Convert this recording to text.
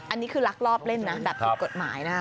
อันนี้คือลักลอบเล่นนะแบบผิดกฎหมายนะ